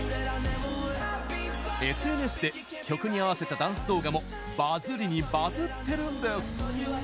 ＳＮＳで、曲に合わせたダンス動画もバズりにバズってるんです！